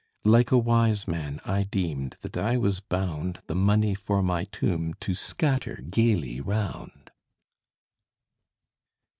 Like a wise man, I deemed that I was bound The money for my tomb to scatter gayly round!